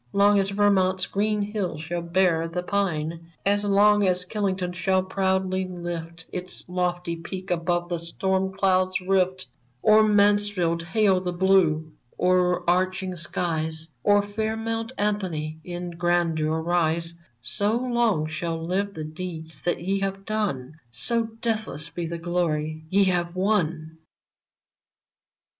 Long as Vermont's green hills shall bear the pine, As long as Killington shall proudly lift Its lofty peak above the storm cloud's rift, Or Mansfield hail the blue, o'erarching skies, Or fair Mount Anthony in grandeur rise, So long shall live the deeds that ye have done. So deathless be the glory ye have won